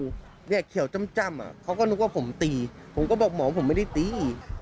มันเรียกอย่างเคี่ยวจ้ำเขาก็นุกว่าผมตีผมก็บอกหมอผมไม่ได้ตีหรอก